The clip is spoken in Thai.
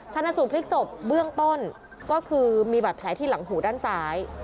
ชนะสูตรพลิกศพเบื้องต้นก็คือมีบาดแผลที่หลังหูด้านซ้าย